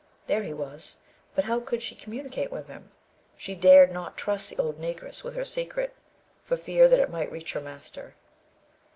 There he was; but how could she communicate with him? She dared not trust the old Negress with her secret, for fear that it might reach her master.